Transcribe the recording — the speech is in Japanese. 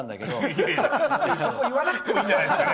いやいや、そこは言わなくていいんじゃないですか。